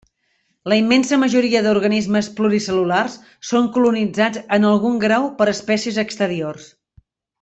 La immensa majoria d'organismes pluricel·lulars són colonitzats en algun grau per espècies exteriors.